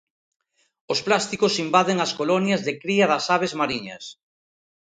Os plásticos invaden as colonias de cría das aves mariñas.